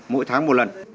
mỗi tháng một lần